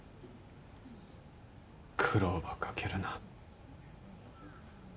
苦労ばかけるな。